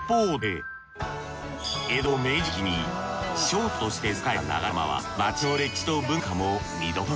江戸・明治期に商都として栄えた流山は街の歴史と文化も見どころ。